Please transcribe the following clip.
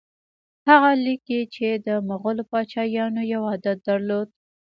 هغه لیکي چې د مغولو پاچایانو یو عادت درلود.